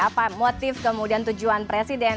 apa motif kemudian tujuan presiden